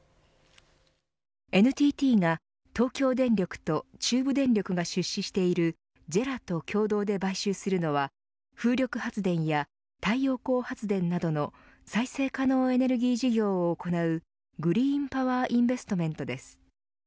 ＮＴＴが東京電力と中部電力が出資しているＪＥＲＡと共同で買収するのは風力発電や太陽光発電などの再生可能エネルギー事業を行うグリーンパワーインベストメントです。